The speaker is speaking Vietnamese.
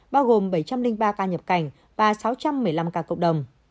bao gồm bảy trăm linh ba ca nhập cảnh và sáu trăm một mươi năm ca cộng đồng